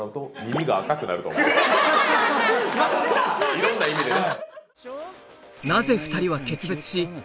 いろんな意味でね。